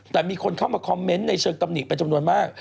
แต่มีคนเข้ามาคอมเมนต์ในเชิงตำหนิเป็นจำนวนมาก